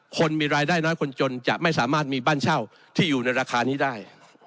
คนมีรายได้น้อยคนจนจะไม่สามารถมีบ้านเช่าที่อยู่ในราคานี้ได้